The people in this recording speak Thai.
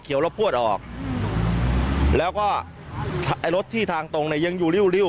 เขียวละพรวดออกแล้วก็ไอลถที่ทางตรงน่ะยังอยู่ริวริว